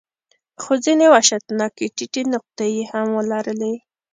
خو ځینې وحشتناکې ټیټې نقطې یې هم ولرلې.